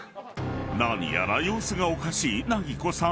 ［何やら様子がおかしいなぎこさん。